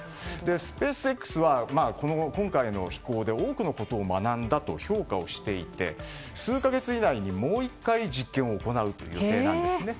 スペースＸは今回の飛行で多くのことを学んだと評価をしていて数か月以内にもう１回実験を行う予定なんです。